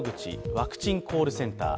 ワクチンコールセンター。